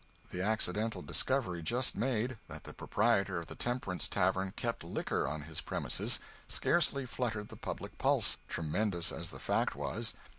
The accidental discovery, just made, that the proprietor of the Temperance Tavern kept liquor on his premises, scarcely fluttered the public pulse, tremendous as the fact was.